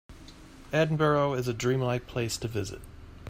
Edinburgh is a dream-like place to visit.